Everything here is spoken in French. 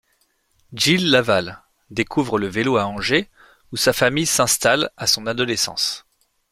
Jiel Laval découvre le vélo à Angers où sa famille s'installe à son adolescence.